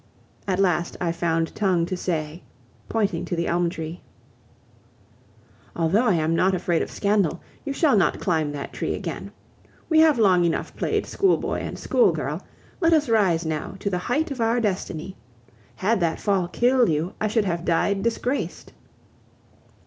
At last I found tongue to say, pointing to the elm tree: "Although I am not afraid of scandal, you shall not climb that tree again. We have long enough played schoolboy and schoolgirl, let us rise now to the height of our destiny. Had that fall killed you, I should have died disgraced..."